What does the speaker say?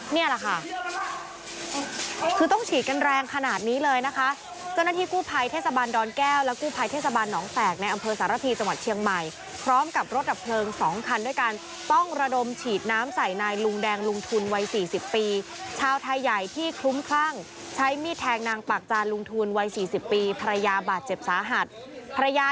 นี่แหละค่ะคือต้องฉีดกันแรงขนาดนี้เลยนะคะเจ้าหน้าที่กู้ภัยเทศบาลดอนแก้วและกู้ภัยเทศบาลหนองแฝกในอำเภอสารพีจังหวัดเชียงใหม่พร้อมกับรถดับเพลิงสองคันด้วยการต้องระดมฉีดน้ำใส่นายลุงแดงลุงทุนวัยสี่สิบปีชาวไทยใหญ่ที่คลุ้มคลั่งใช้มีดแทงนางปากจานลุงทุนวัยสี่สิบปีภรรยาบาดเจ็บสาหัสภรรยา